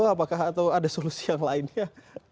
apakah atau ada solusi yang lainnya